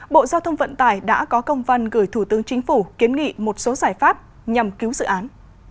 bộ giao thông vận tải đã có công văn gửi thủ tướng chính phủ kiến nghị một số giải pháp nhằm cứu dự án